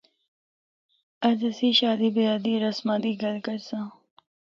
اج اسیں شادی بیاہ دی رسماں دی گل کرساں۔